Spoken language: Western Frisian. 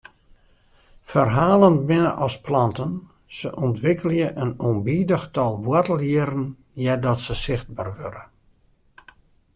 Ferhalen binne as planten, se ûntwikkelje in ûnbidich tal woartelhierren eardat se sichtber wurde.